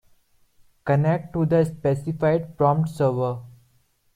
Connect to the specified prompt server.